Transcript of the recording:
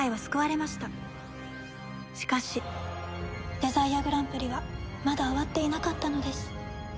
デザイアグランプリはまだ終わっていなかったのです。